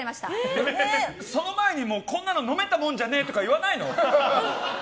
その前にこんなの飲めたもんじゃねえとか言わないの？